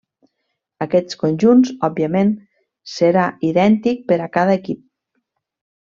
Aquests conjunts, òbviament, serà idèntic per a cada equip.